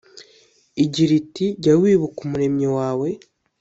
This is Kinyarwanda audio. igira iti jya wibuka umuremyi wawe